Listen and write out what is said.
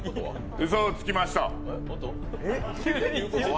うそをつきました！